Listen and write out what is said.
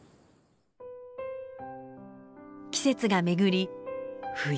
季節が巡り冬。